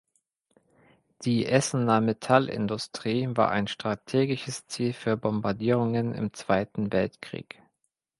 Die Essener Metallindustrie war ein strategisches Ziel für Bombardierungen im Zweiten Weltkrieg.